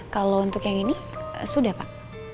kalau untuk yang ini sudah pak